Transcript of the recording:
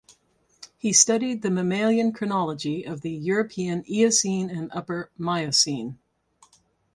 He studied the mammalian chronology of the European Eocene and Upper Miocene.